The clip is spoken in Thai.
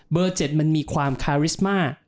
เบอร์๗มันมีความคาริสม่า